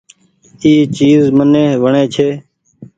اي چيز مني وڻي ڇي۔